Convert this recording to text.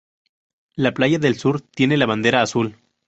La playa del sur tiene la Bandera Azul.